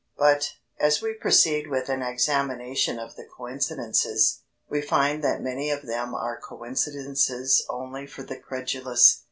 But, as we proceed with an examination of the coincidences, we find that many of them are coincidences only for the credulous.